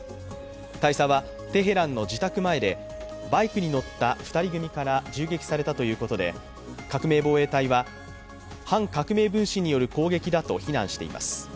大佐は、テヘランの自宅前でバイクに乗った２人組から銃撃されたということで、革命防衛隊は反革命分子による攻撃だと非難しています。